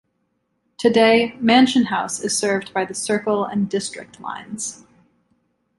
Today, Mansion House is served by the Circle and District lines.